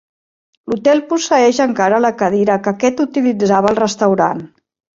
L'hotel posseeix encara la cadira que aquest utilitzava al restaurant.